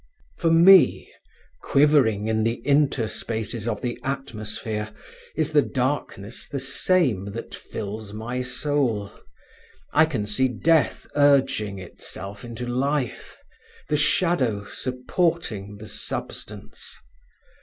"For me, quivering in the interspaces of the atmosphere, is the darkness the same that fills in my soul. I can see death urging itself into life, the shadow supporting the substance.